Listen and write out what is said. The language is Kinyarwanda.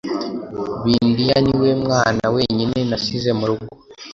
Bindia niwe mwana wenyine nasize murugo